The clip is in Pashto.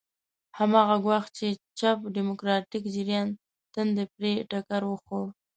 هماغه ګواښ چې د چپ ډیموکراتیک جریان تندی پرې ټکر وخوړ.